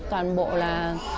toàn bộ là